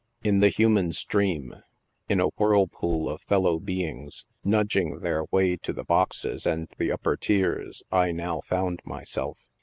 In the human stream — in a whirlpool of fellow beings — nudging their way to the boxes and the upper tiers, I now found myself.